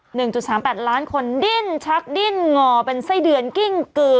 หนึ่งจุดสามแปดล้านคนดิ้นชักดิ้นงอเป็นไส้เดือนกิ้งกือ